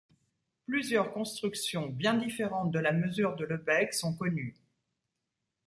Plusieurs constructions bien différentes de la mesure de Lebesgue sont connues.